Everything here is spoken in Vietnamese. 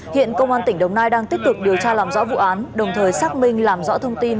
hiện công an tỉnh đồng nai đang tiếp tục điều tra làm rõ vụ án đồng thời xác minh làm rõ thông tin